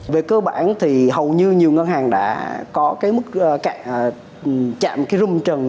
về cơ bản thì hầu như nhiều ngân hàng đã có cái mức chạm cái rưu trần